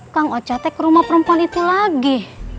kang ocatnya ke rumah perempuan itu lagi